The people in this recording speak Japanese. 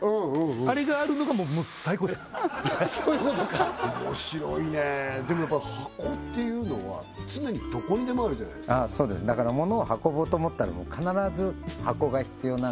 あれがあるのがもう最高ですそういうことか面白いねでもやっぱ箱っていうのは常にどこにでもあるじゃないですかそうですだからものを運ぼうと思ったら必ず箱が必要なんですよ